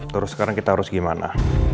terus sekarang kita harus gimana